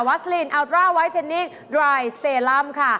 วัสลินอัลตราไวท์เทคนิคดรายเซลัมค่ะ